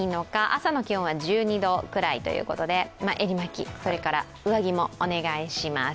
朝の気温は１２度くらいということで襟巻き、上着もお願いします。